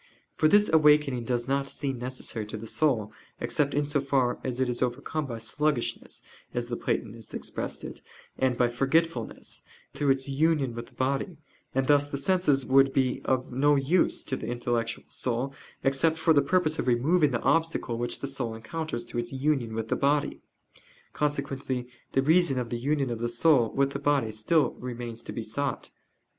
For this awakening does not seem necessary to the soul, except in as far as it is overcome by sluggishness, as the Platonists expressed it, and by forgetfulness, through its union with the body: and thus the senses would be of no use to the intellectual soul except for the purpose of removing the obstacle which the soul encounters through its union with the body. Consequently the reason of the union of the soul with the body still remains to be sought.